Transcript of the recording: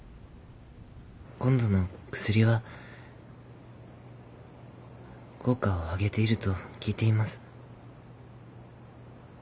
今度の薬は効果を上げていると聞いています